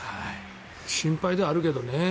心配ではあるけどね。